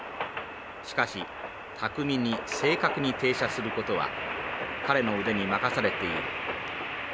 しかし巧みに正確に停車することは彼の腕に任されている。